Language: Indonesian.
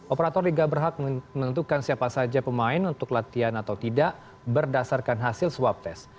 operator liga berhak menentukan siapa saja pemain untuk latihan atau tidak berdasarkan hasil swab test